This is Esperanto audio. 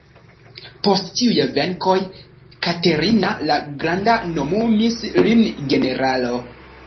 Post tiuj venkoj, Katerina la Granda nomumis lin generalo.